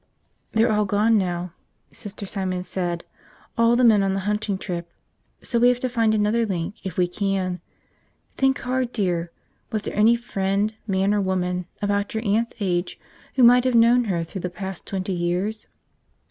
"They're all gone now," Sister Simon said, "all the men on the hunting trip, so we have to find another link if we can. Think hard, dear. Was there any friend, man or woman, about your aunt's age who might have known her through the past twenty years?"